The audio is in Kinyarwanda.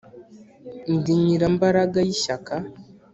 Ndi Nyirimbaraga y' ishyaka